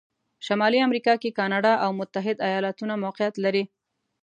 شمالي امریکا کې کانادا او متحتد ایالتونه موقعیت لري.